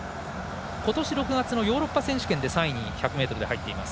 ことし６月のヨーロッパ選手権で３位に１００ｍで入ってます。